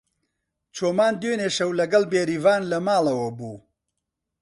چۆمان دوێنێ شەو لەگەڵ بێریڤان لە ماڵەوە بوو.